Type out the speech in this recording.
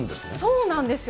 そうなんですよ。